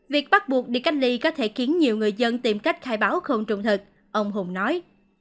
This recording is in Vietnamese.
việc bắt buộc đi cách ly có thể khiến nhiều người dân tìm cách khai báo không trung thật ông hùng nói